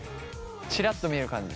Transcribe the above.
ちらっと見える感じ。